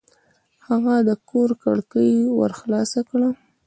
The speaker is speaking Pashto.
هغه د کور کړکۍ ورو خلاصه کړه.